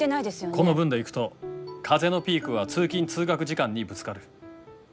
この分でいくと風のピークは通勤通学時間にぶつかる。